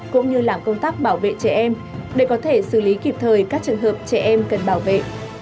cũng như làm công tác bảo vệ trẻ em để có thể xử lý kịp thời các trường hợp trẻ em cần bảo vệ